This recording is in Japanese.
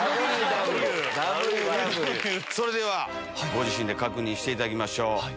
それではご自身で確認していただきましょう。